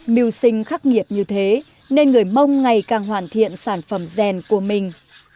mưu sinh khắc nghiệp như thế nên người mông ngày càng hoàn thiện sản phẩm rèn của mình